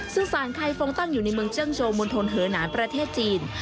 ซึ่งสารไข่ฟงตั้งอยู่ในเมืองเจ้งโจมนต์ธนเหนารประเทศจีน